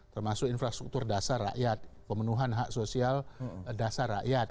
termasuk infrastruktur dasar rakyat pemenuhan hak sosial dasar rakyat